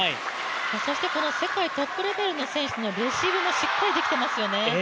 そしてこの世界トップレベルの選手のレシーブもしっかりできていますよね。